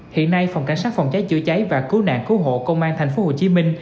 hiện nay phòng cảnh sát phòng cháy chữa cháy và cứu nạn cứu hộ công an tp hcm